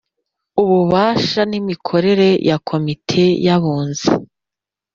ububasha n imikorere bya Komite y Abunzi